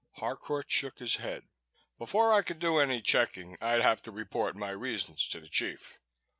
Harcourt shook his head. "Before I could do any checking, I'd have to report my reasons to the chief.